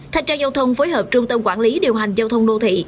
thanh tra giao thông phối hợp trung tâm quản lý điều hành giao thông đô thị